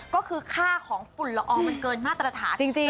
ก็คือค่าของฝุ่นละอองมันเกินมาตรฐานจริง